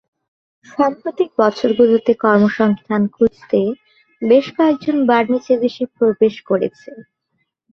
সাম্প্রতিক বছরগুলিতে, কর্মসংস্থান খুঁজতে বেশ কয়েকজন বার্মিজ এদেশে প্রবেশ করেছে।